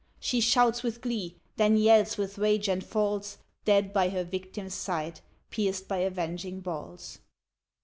She shouts with glee, then yells with rage and falls Dead by her victims' side, pierced by avenging balls.